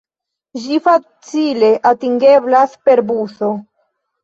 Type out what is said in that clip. Ĝi facile atingeblas per buso.